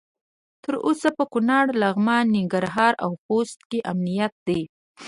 تر اوسه په کنړ، لغمان، ننګرهار او خوست امنیت دی.